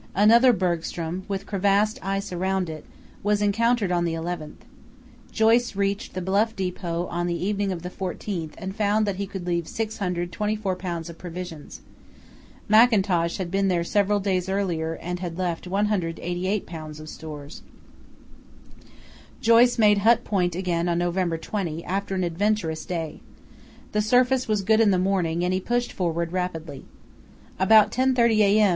Another bergstrom, with crevassed ice around it, was encountered on the 11th. Joyce reached the Bluff depot on the evening of the 14th and found that he could leave 624 lbs. of provisions. Mackintosh had been there several days earlier and had left 188 lbs. of stores. Joyce made Hut Point again on November 20 after an adventurous day. The surface was good in the morning and he pushed forward rapidly. About 10.30 a.m.